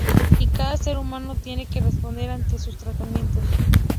Y cada ser humano tiene que responder ante sus tratamientos.